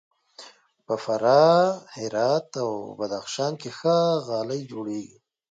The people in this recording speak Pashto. په فراه، هرات او بدخشان کې ښه غالۍ جوړیږي.